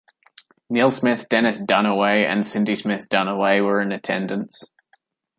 Neal Smith, Dennis Dunaway and Cindy Smith Dunaway were in attendance.